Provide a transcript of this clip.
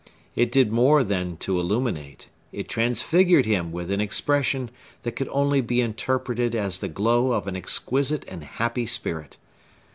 It did more than to illuminate; it transfigured him with an expression that could only be interpreted as the glow of an exquisite and happy spirit.